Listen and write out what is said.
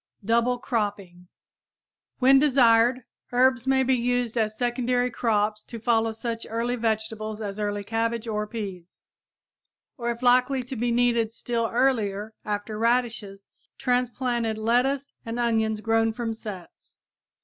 DOUBLE CROPPING When desired, herbs may be used as secondary crops to follow such early vegetables as early cabbage and peas; or, if likely to be needed still earlier, after radishes, transplanted lettuce and onions grown from sets.